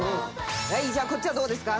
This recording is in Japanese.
じゃあこっちはどうですか？